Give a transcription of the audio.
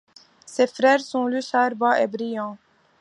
Ses frères sont Iucharba et Brian.